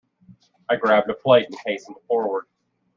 I grabbed a plate and hastened forward.